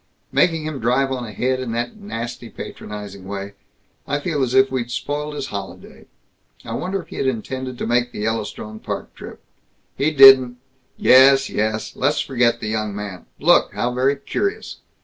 Making him drive on ahead in that nasty, patronizing way I feel as if we'd spoiled his holiday. I wonder if he had intended to make the Yellowstone Park trip? He didn't " "Yes, yes. Let's forget the young man. Look! How very curious!"